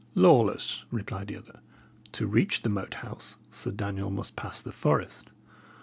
"Lawless," replied the other, "to reach the Moat House, Sir Daniel must pass the forest.